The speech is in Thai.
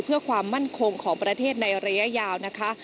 เพื่อความมั่นคงของประเทศในระยะยาวนะคะ